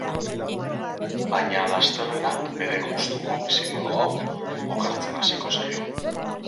Baina lasterrera bere gustuko bizimodu hau okertzen hasiko zaio.